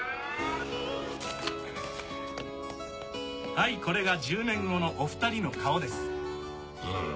はいこれが１０年後のお２人の顔です。